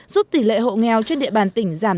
giúp tỷ lệ hộ nghèo trên địa bàn tỉnh giảm